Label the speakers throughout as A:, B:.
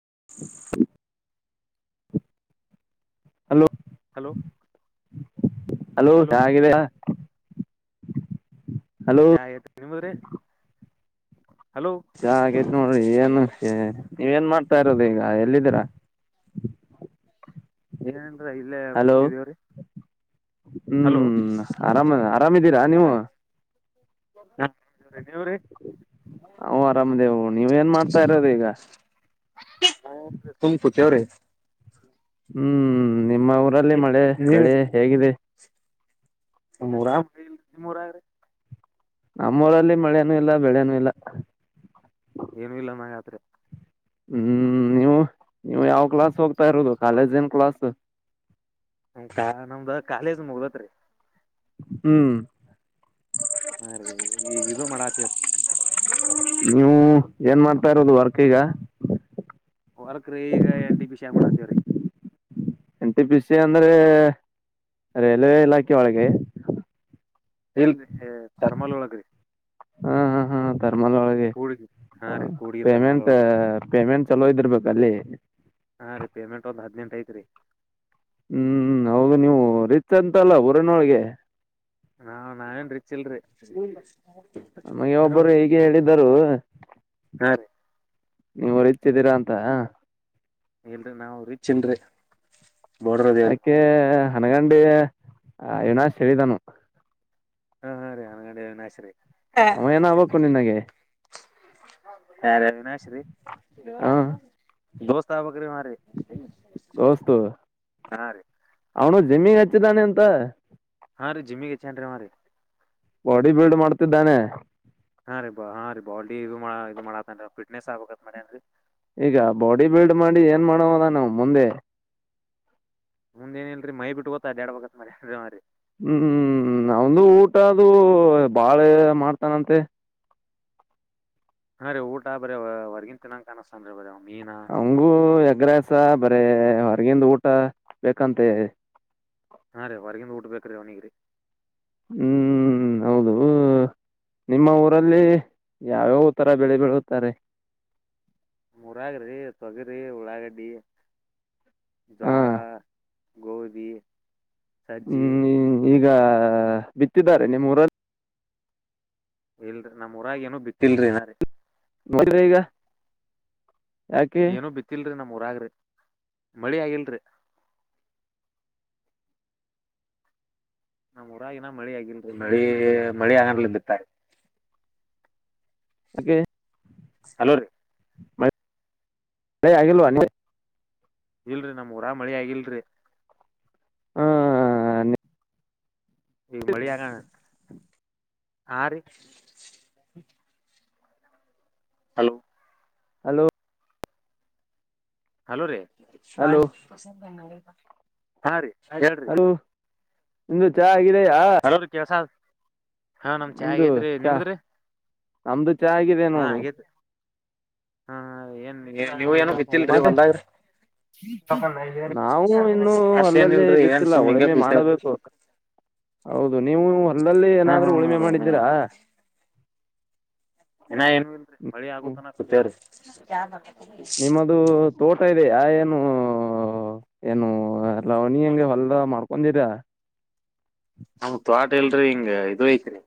A: [inaudible] hello
B: hello
A: hello ದಾಸಗಿದೆಯಾ
B: ಚಾ ಆಗ್ಯದ್ರಿ ನಿಮ್ರೀ
A: ಚಾ ಆೈತ್ ನೋಡ್ರಿ ಏನ್ ನೀವ ಏನ್ ಮಾಡ್ತಾ ಈಗ ಎಲ್ಲಿದ್ದೀರಾ
B: ಏನ್ ಇಲ್ಲ ಇಲ್ಲೇ
A: ಹಲೋ
B: ಕೂತಿದೀವ್ರಿ
A: ಹ್ಮ್ ಆರಾಮ ಆರಾಮಿದ್ದೀರಾ ನೀವು
B: ಹಾ
A: ಹ ಅರಾಮದೇವು ನೀವ ಏನ್ ಮಾಡ್ತಾ ಇರೋದು ಈಗ
B: ಹ ಸುಮ್ಕೂತವ್ರೆ
A: ಹ್ಮ್ ನಿಮ್ಮ ಊರಲ್ಲಿ ಮಳೆ ಬೆಳೆ ಹೇಗಿದೆ
B: ನಮಾ ಊರಾಗ ಇಲ್ಲ ರಿ ನಿಮ್ ಊರಾಗ್ರಿ
A: ನಮ್ಮೂಊರಲ್ಲಿ ಮಳೆನೂ ಇಲ್ಲ ಬೆಳೆನೂ ಇಲ್ಲ
B: ಏನು ಇಲ್ಲಮ್ಮ ಯಾತ್ರೆ
A: ಹ್ಮ್ ನೀವು ನೀವು ಯಾವ ಕ್ಲಾಸ್ ಹೋಗ್ತಾ ಇರೋದು ಕಾಲೇಜ ಏನ್ ಕ್ಲಾಸ್
B: ಕಾ ನಮ್ದ ಕಾಲೇಜ್ ಮುಗ್ದತ್ರಿ
A: ಹ್ಮ್
B: ಹಾ ರೀ ಈಗ ಇದು ಮಾಡಾತವರಿ
A: ನೀವು ಏನ ಮಾಡ್ತಾ ಯಿರೋಡು ವರ್ಕ್ ಈಗ
B: ಹೊರ್ಕ್ ರೀ ಈಗ ಎಂ ಟಿ ಬಿ ಶಿ ಮಾಡಾತೇವ್ರೀ
A: ಎನ್ ಟಿ ಪಿ ಸಿ ಅಂದ್ರೆ ರೈಲ್ವೆ ಇಲಾಖೆ ಒಳಗೆ
B: ಇಲ್ರಿ ತರ್ಮಲ್ ಒಳಗ್ರಿ
A: ಹಾ ಹಾ ಹಾ ತಾರ್ಮಲ್ ಒಳಗೆ
B: ಕೂಡ್ಗಿ ಹಾ
A: ಹ
B: ರೀ ಕೂಡ್ಗಿ ತರ್ಮಲ್
A: ಪೇಮೆಂಟ್
B: ಒಳಗ್ರಿ
A: ಪೇಮೆಂಟ್ ಚಲೋ ಇದಿರ್ಬೇಕ ಅಲ್ಲಿ
B: ಹಾ ರೀ ಪೇಮೆಂಟ್ ಒಂದು ಹದಿನೆಂಟ ಐತೆ ರೀ
A: ಹ್ಮ್ ಹೌದು ನೀವು ರಿಚ್ ಅಂತಲ್ಲ ಊರನೊಳ್ಗೆ
B: ನಾ ನಾವೇನ್ ರಿಚ್ಇಲ್ರಿ
A: ನಮಗೆ ಒಬ್ಬರು ಹೇಗೆ ಹೇಳಿದ್ದರು
B: ಹಾ ರೀ
A: ನೀವು್ ರಿಚಯಿದ್ದೀರಾ ಅಂತ
B: ಏನ್ರಿ ನಾವು ರಿಚ್ ಇಲ್ರಿ
A: ಯಾಕೆ ಹನಗಂಡಿ ಅವಿನಾಶ್ ಹೇಳಿದ್ನು
B: ಹಾ ಹಾ ಹಾನಗಂಡಿ ಅವಿನಾಶ್ ರಿ
A: ಅವ ಏನ್ ಆಗಬೇಕು ನಿಂಗೆ
B: ಯಾರ ವಿನಾಶ್ರೀ ದೋಸ್ತ ಆಬೇಕ
A: ದೋಸ್ತ್
B: ಹಾ ರೀ
A: ಅವನ ಜಮೀಹ ಹಚ್ಚಿ ಅಂತ
B: ಹಾ ರೀ ಜಿಮ್ಮಿನ್ ಹೆಚ್ಚ್ಯಾರೀ
A: ಬಾಡಿ ಬಿಲ್ಡ್ ಮಾಡ್ತಿದ್ದಾನೆ [unintelligible]
B: ಹಾಂ ಬ ಹಾ ರೀ ಬಾಡಿ ಇದು ಇದು ಮಾಡತ್ತನ್ ಟ್ನೆಸ್ ಆಗ್ಬೇಕತ್ ಮೇ ಅನ್ರಿ [unintelligible]
A: ಈಗ ಬಾಡಿ ಬಿಲ್ಡ್ ಮಾಡಿ ಏನ್ ಮಾಡೋದ ನಾ ಮುಂದೆ
B: ಮುಂದ್ ನ್ನಲ್ರರಿ ಮೈ ಬಿಟ್ಟು ಗೊತ ಅದೆಡ ಬಗತ್ರಿ ಮ್ರರಿ [unintelligible]
A: ಹ್ಮ್ ಅವಂದು ಊಟ ಅದು ಬಾಳ ಮಾಡ್ತಾನಂತೆ [unintelligible]
B: ಹಾ ರೀ ಊಟಾ ಬರೀ ಹೊರ್ಗಿನ್ ತಿಿನಾಕ ಕಾಣಿಸತನ್ೀ ಬರ [unintelligible]
A: ಹಂಗೂ ಎಗ್ರಾಸ ಬರ ಹೊರಗಿಂದ ಊಟ ಬೇಕಂತೆ
B: ಹಾ ರೀ ಹೊರಗಿಂದ ಊಟ ಬ ರೀ ಅವ್ನಿಿಗೆ ರೀ
A: ಹ್ಮ್ ಹೌದು [unintelligible] ಹ ನಿಮ್ಮ ಊರಲ್ಲಿ ಯಾವ್ಯಾವ ತರ ಬೇಳೆ ಬೆಳೆಯುತ್ತಾರೆ
B: ಮುರಾಗ್ರಿ ತೊಗರಿ ಉಳ್ಳಾಗಡ್ಡಿ
A: ಹಾ
B: ಜಾಳ [unintelligible] ಗೋಧಿ ಸಜ್ಜಿ
A: ಹ್ಮ್ ಈಗ ಬಿತ್ತಿದ್ದಾರೆ ನಿಮ್ಮೂರಲ್ಲಿ
B: ಇಲ್ರರಿ ನಮ್ ಉಊರಾಗ ಏನು ಬಿಟ್ಟಿಲ್ರಿ ನಾರೀ
A: ಮಗ [unintelligible]
B: ಏನುೂ ಬಿತ್ತಲ್ರಿ ನಮ ಊರಾಗ್ರಿ ಮಳಿ ಆಗಿಲ್ರಿ ನಮ್ ಊರಾಗಿನ ಮಳಿ ಆಗಿಲ್ರಿ ಮಳಿ ಮಳಿ ಆಗನ್ಲ ಬಿತ್ತ
A: ಓಕೆ [unintelligible]
B: ಹಲೋ ರೀ
A: ಮತ್ತು ಆಗಿಲ್ವ
B: ಇಲ್ರಿ ನಮ್ ಊರಾಗ [unintelligible] ಮಳಿ ಆಗಲ್ರಿರಿ
A: ಹ
B: ಈ ಮಿ ಆಕಣ ಹ ರೀ [unintelligible] ಹಲೋ
A: ಹಲೋ
B: ಹಲೋ ರೀ
A: ಹಲೋ
B: ಹಾ ರೀ ಹೇಳ್ರಿ
A: ಹಲೋ ನಿಮ್ದು ಚಾ ಆಗಿದ [unintelligible]
B: ಹಲೋ ರತಿಯ ಸಾ [unintelligible] ಹಾ ನಮ್ ಚಾ
A: ನಿಮ್ದು
B: ಆಗೇತ್ರಿ
A: ಚಾ
B: ನಿಮದ್ರಿ
A: ನಮ್ದು ಚಾ ಆಗಿದೆ
B: ಹಾ
A: ನೋಡು
B: ಆಗೇತ್ರಿ ಹಾ ಏನ್ ನೀವ ಏನ ಬಿತ್ತಿಲ್ರಿ
A: ಮತ್ತೆ
B: ಹೊಲ್ದಾಗ್ರಿ
A: ನಾವು ಇನ್ನುೂ
B: ಮತ್ತೇನ್
A: ಅಲ್ಲಲ್ಲಿ
B: ಇಲ್ರಿ ಏನ್
A: ಬಿತ್ತಿಲ್ಲ
B: ಸುಮ್ ಹಿಂಗೆ
A: ಉಳುಮೆ
B: ಕೂತೇವ್
A: ಮಾಡಬೇಕು ಹೌದು ನೀವು ಅಲ್ಲಲ್ಲಿ
B: ಹಾ
A: ಏನಾದ್ರೂ ಉಳುಮೆ
B: ಹಾ
A: ಮಾಡಿದ್ದೀರಾ
B: ಇನ ಏನು ಇಲ್ರರಿ ಮಳಿ
A: ಹ್ಮ್
B: ಆಗುತ್ನ ಕುತ್ರಿ [unintelligible] [inaudible]
A: ನಿಮ್ಮದು ತೋಟ ಇದೆ ಆ ಏನು ಏನು ಎ ಲವಣಿ ಹೆಂಗೆ ಹೊಲ್ದ ಮಾಡ್ಕೊಂಡೀರ [unintelligible]
B: ನಮ್ತ್ ಆಟ ಎಲ್ರಿ ಹಿಂಗ ಇ ಐತ್ರಿ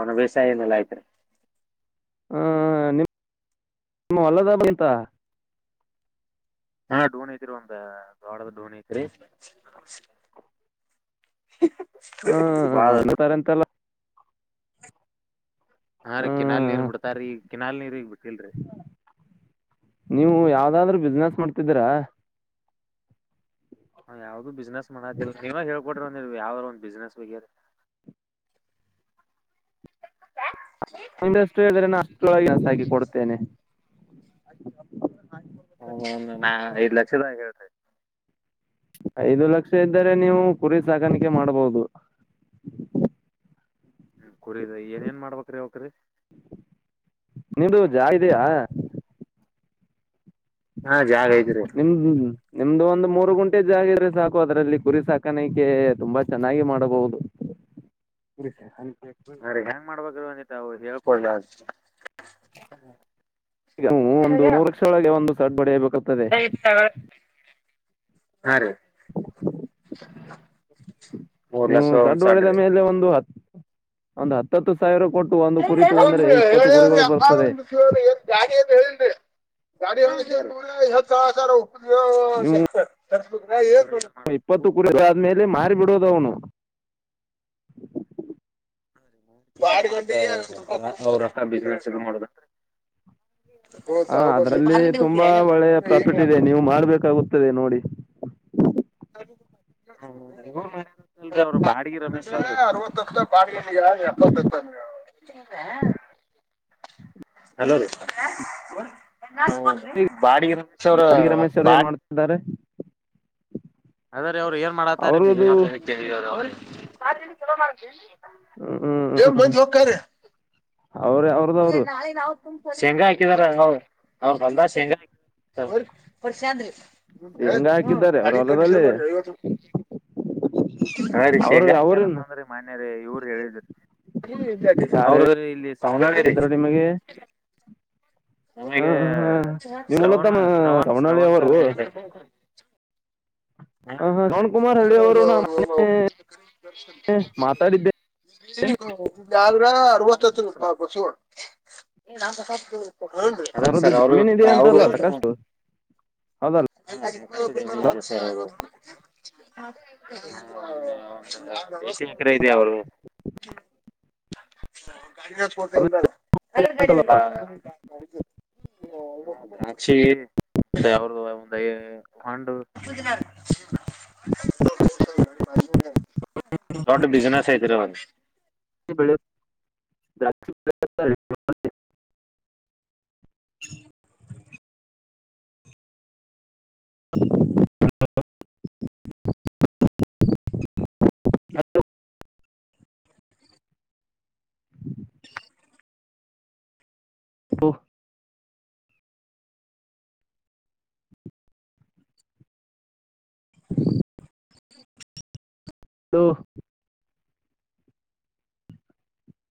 B: ಒನ ಬೇಸಾಯ ಏನೆಲ್ಲಾ ಐತ್ರಿ [unintelligible]
A: ಹ ನಿ ನಿಮ್ಮ ಹೊಲದ ಬಂತ
B: ಹಾ ಡೋನಿ ಐತ್ರಿ ಒಂದ ಗೋಡದ ಡೋನಿ ಐತ್ರಿ [unintelligible]
A: ಹಾ
B: ಬಾಳ
A: ಅವ ತಾರೆಂತೆಲ್ಲ
B: ಹಾ ರೀ ಕಿನಲ್ ನೀರ್
A: ಹ್ಮ್
B: ಬಿಡ್ತಾಾರೀ ಈ ಕಿನಲ್ ನೀರ್ ಈಗ್ ಬಿಟ್ಟಲ್ರಿ
A: ನೀವು ಯಾವ್ದಾದ್ರು ಬಿಸ್ನೆಸ್ ಮಾಡ್ತಿದೀರಾ
B: ಯಾವ್ದು ಬಿಸ್ನೆಸ್ ಮಾಡದಿಲ್ಲ ನೀವ ಹೋಗಬ್ರ ಯಾವ ಒಂದ ಬಿಸ್ನೆಸ್ ಬ
A: ಮ ಅಷ್ಟು ಹೇಳಿದ್ರೆ ನು ಅಷ್ಟ್ರೊಳಗೆ ಎಸ ಹಾಕಿ ಕೊಡುತ್ತೇನೆ
B: ಹ ನಾ ಐದ್ ಲಕ್ಷದಾಗ ಹೇಳ್ತಿ
A: ಐದು ಲಕ್ಷ ಇದ್ದರೆ ನೀವು ಕುರಿ ಸಾಕಾಣಿಕೆ ಮಾಡ್ಬೋುದು
B: ಹ್ಮ್ ಕುರಿದ ಏನ್ ಏನ್ ಮಾಡ್ಬೇಕ್ರಿ ಯಕ್ರೀ
A: ನೀ್ದ ಜಾ ಇದ ಇದಯಾ [unintelligible]
B: ಹಾ ಜಾಗ ಐತ್ರಿ
A: ನಿಮ್ ನಿಮ್ದು ಒಂದ್ ಮೂರು ಗುಂಟೆ ಜಾಗಿದ್ರೆ ಸಾಕು ಅದರಲ್ಲಿ ಕುರಿ ಸಾಕಾಣಿಕೆ ತುಂಬಾ ಚೆನ್ನಾಗಿ ಮಾಡಬಹುದು ಬಷ ಹ
B: ವು ಹೇಳ್ಕೊಳ್
A: ಈಗವು ಒಂದು ಮೂರು ಲಕ್ಷೊಳಗೆ ಒಂದು ಸರ್ಟ್ ಬಡೆಯಬೇಕುತ್ತದೆ
B: ಹಾ ರೀ ಮೂರ್
A: ನೀವು
B: ಲಕ್ಷ ಒಂದ್
A: ಸಡ್ಡು ಒಡೆದ
B: ಸಡ್ರಿ
A: ಮೇಲೆ ಒಂದು ಹತ್ತು ಒಂದು ಹತ್ತತ್ತು ಸಾವಿರ ಕೊಟ್ಟು ಒಂದು ಕುರಿ
B: ಒ
A: ತಗೊಂಡ್ರೆ
B: ಹೇಳ್ಯ್ರಿ
A: ಇಪ್ಪತ್ತು
B: ಒ್ರಏನ್
A: ಕುರಿಗಳು ಬರ್ತದೆ
B: ಜಾಗ ಅಏನ್ ಹೇಳಲ್ ಗಾಡಿ ಸರ
A: ನೀವು
B: ಉಗ
A: ಇಪ್ಪತ್ತು ಕುರಿ ಆದ್ಮೇಲೆ ಮಾರಿ ಬಿಿಡೋದ ಅವನು
B: ಅವ್ರಸ ಬಿಸಿನಸ್ ಮಾಡೋಬೇಕ
A: ಹ ಅದ್ರಲ್ಲಿ ತುಂಬಾ ಒಳ್ಳೆಯ
B: ಈಗ
A: ಪ್ರಾಫಿಟ್ ಇದೆ ನೀವು ಮಾಡ್ಬೇಕಾಗುತ್ತದೆ ನೋಡಿ
B: ಹ್ಮಲ್ ಅವರು ಬಾಡಿಗೆ ರಮೇಶ್ ಅವ ಬಿಗೆಪ್ಪ ಲೋ ರೀ ಬಾಡಿ ಅವರ
A: ಅಡಿಗೆ ರಮೇಶ್ ಅವರು
B: ಬಾ
A: ಏನ್ ಮಾಡ್ತಿದ್ದಾರೆ
B: ಅದ್ರೀ ಅವ್ರು ಏನ್ ಮಾಡಾತಾರ
A: ಅವರದು
B: ಜ ಮಂಜವ ಕೆ
A: ಅವ್ರ ಅವ್ರದ ಅವರು
B: ಶೇಂಗಾ ಹಾಕಿದಾರ ಅವ್ರ ಅಲ್ದ ಶೇಂಗಾ ಹಾಕ
A: ಹೆಂಗ ಹಾಕಿದ್ದಾರೆ
B: ಗಾ
A: ಅವ್ರ
B: ಕಂಡಷನ್
A: ಹೊಲದಲ್ಲಿ
B: ಮಾಡತ್ತು ಸರಿ
A: ಅವರು ಅವ್ರನ್ನ
B: ಶೇಗಾಕ್ಯಾರತ್ಂದ್ರಿ ಮನ್ಯ ರ ಇವ್ರ ಹೇಳಿದ್ರಿ ಅವ್ರ ಇಲ್ಲಿ ಸ
A: ಇದ್ರೋ ನಿಮಗೆ
B: ನಮಗೆ
A: ಹ್ಮ್ ಹ್ಮ್ ಹ್ಮ್ ನೀವು
B: ಶ್ರವಣ
A: ಮೂಲತಃ
B: ಶ್ರವಣ್
A: ಸವಣಳ್ಳಿ
B: ಶ್ರವಣ್
A: ಅವರು
B: ಸರ್ ಹೇಳ ಹಾ ಹಾ
A: ಶ್ರವಣ್ ಕುಮಾರ್ ಹಳ್ಳಿ
B: ರೌ
A: ಅವರು ನಾ
B: [unintelligible]
A: ಮಾತಾಡಿದ್ದೆ
B: ಯ್ರ ಅರವತ್ತತ್ತುಸ [unintelligible] ಅದ
A: ಅವರದ್ದು
B: ಸರ್ ಅವರು
A: ಜಮೀನ್ ಇದೆ
B: ಅವರು
A: ಅಂತಲ್ಲ ಸಾಕಷ್ಟು ಹೌದಲ್ಲ
B: ಮಸ ಎಕರೆ ಇದಾ ಅವರು
A: ಅವ್ರದ್ದು ಅಂತಲ್ಲ
B: [unintelligible] ಾಕ್ಷಿ [unintelligible] ಮತ್ತ ಯಾವ್ರ್ದ ಒಂದು ಹಂಡ [unintelligible] ತಡ್ ಬಿಜನೆಸ್ ಹರ ಮ [unintelligible]
A: ಬೆಳ ದಾಕ್ಷ ಹ [unintelligible] ಹ [unintelligible] ಹ್ [unintelligible] ಹ [unintelligible]